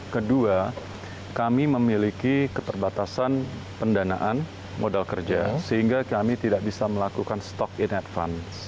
kedua kami memiliki keterbatasan pendanaan modal kerja sehingga kami tidak bisa melakukan stock in advance